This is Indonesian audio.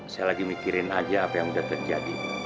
saya lagi mikirin aja apa yang udah terjadi